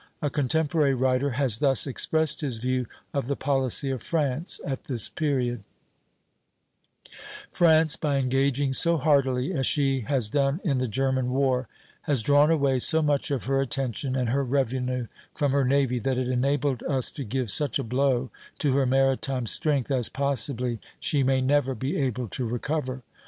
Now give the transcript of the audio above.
A contemporary writer has thus expressed his view of the policy of France at this period: "France, by engaging so heartily as she has done in the German war, has drawn away so much of her attention and her revenue from her navy that it enabled us to give such a blow to her maritime strength as possibly she may never be able to recover.